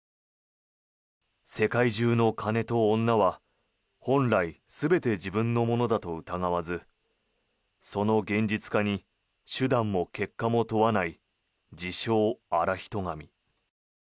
世界中の金と女は本来、全て自分のものだと疑わずその現実化に手段も結果も問わない自称・現人神。